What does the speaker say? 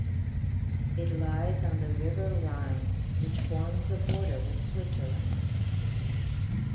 It lies on the River Rhine, which forms the border with Switzerland.